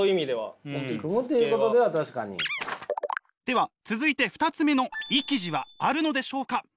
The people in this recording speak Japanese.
では続いて２つ目の意気地はあるのでしょうか？